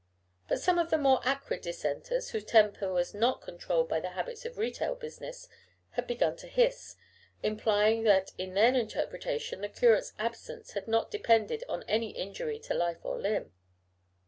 But some of the more acrid Dissenters, whose temper was not controlled by the habits of retail business, had begun to hiss, implying that in their interpretation the curate's absence had not depended on any injury to life or limb.